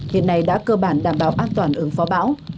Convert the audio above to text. hiện nay đã cơ bản đảm bảo an toàn ứng phó bão